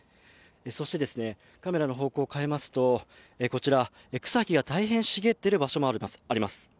そしてカメラの方向を変えますとこちら、草木が大変茂っている場所もあります。